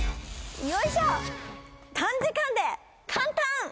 よいしょ短時間で簡単！